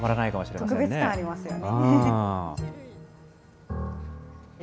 特別感ありますよね。